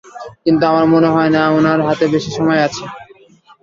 কিন্তু আমার মনে হয় না ওনার হাতে বেশি সময় আছে।